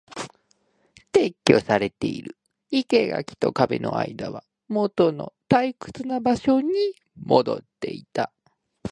撤去されている。生垣と壁の間はもとの退屈な場所に戻っていた。